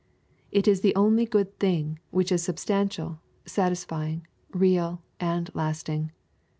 It is the only good thing which is substantial, satisfying, real, and lasting.